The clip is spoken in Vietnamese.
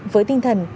với tinh thần